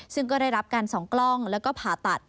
ซึ่งก็ได้รับการส่องกล้องแล้วก็ผ่าตัด